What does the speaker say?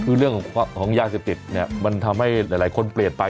คือเรื่องของยาเสพติดเนี่ยมันทำให้หลายคนเปลี่ยนไป